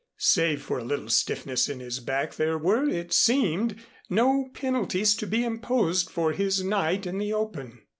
Save for a little stiffness in his back, there were, it seemed, no penalties to be imposed for his night in the open.